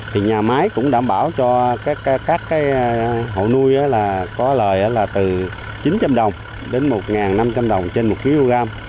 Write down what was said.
thì nhà máy cũng đảm bảo cho các hộ nuôi có lời là từ chín trăm linh đồng đến một năm trăm linh đồng trên một kg